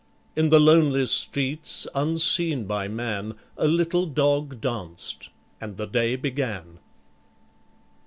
In the lonely streets unseen by man, A little dog danced. And the day began.